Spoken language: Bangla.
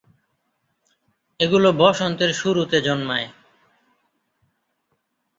এগুলো বসন্তের শুরুতে জন্মায়।